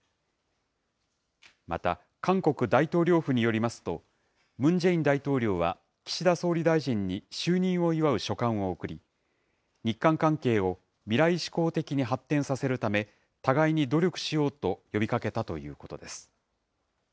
また韓国大統領府によりますと、ムン・ジェイン大統領は、岸田総理大臣に就任を祝う書簡を送り、日韓関係を未来志向的に発展させるため、互いに努力しようと呼びかけたということです。